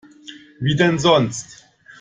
Wie denn sonst?